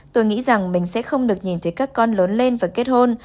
tôi nghĩ rằng mình sẽ không được nhìn thấy các con lớn lên và kết hôn